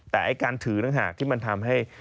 แต่การถือตั้งหากมันธรรมที่ทำให้